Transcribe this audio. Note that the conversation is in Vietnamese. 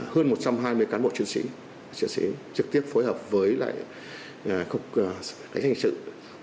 hơn một trăm hai mươi cán bộ chuyên sĩ chuyên sĩ trực tiếp phối hợp với lại cục công an thành trực